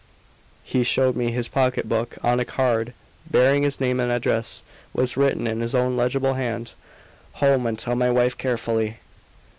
He showed me his pocket book; on a card bearing his name and address was written in his own legible hand, "HOME, AND TELL MY WIFE CAREFULLY."